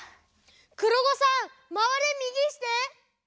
くろごさんまわれみぎして。